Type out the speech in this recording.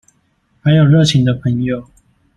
還有熱情的朋友